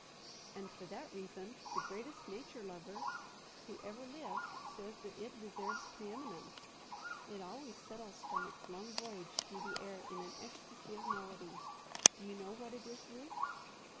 "And for that reason, the greatest nature lover who ever lived says that it 'deserves preeminence.' It always settles from its long voyage through the air in an ecstasy of melody. Do you know what it is, Ruth?"